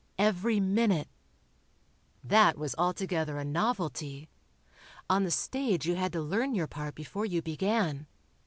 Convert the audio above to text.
Every minute. That was altogether a novelty. On the stage you had to learn your part before you began.